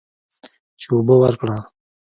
چې اوبه ورکړه.